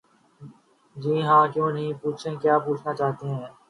جی ہاں کیوں نہیں...پوچھیں کیا پوچھنا چاہتے ہیں؟